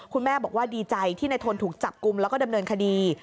คุณแม่บอกว่าดีใจที่นายทนถูกจับกลุ่มแล้วก็ดำเนินคดี